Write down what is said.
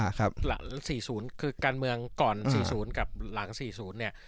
๔๐คือการเมืองก่อน๔๐กับหลัง๔๐เนี่ย